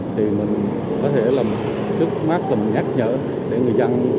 thì mình có thể làm trước mát tầm nhắc nhở để người dân